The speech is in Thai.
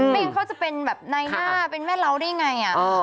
ไม่งั้นเขาจะเป็นแบบในหน้าเป็นแม่เหล้าได้อย่างไร